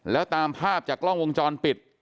แล้วตามภาพจากกล้องวงจรปิด